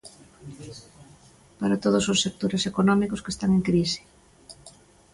Para todos os sectores económicos que están en crise.